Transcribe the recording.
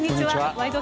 「ワイド！